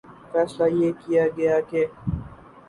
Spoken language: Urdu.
فیصلہ یہ کیا گیا کہ